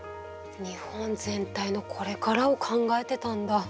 日本全体のこれからを考えてたんだ。